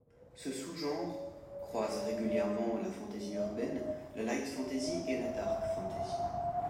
Ce sous-genre croise régulièrement la fantasy urbaine, la light fantasy et la dark fantasy.